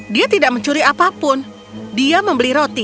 dia tidak mencuri apapun dia membeli roti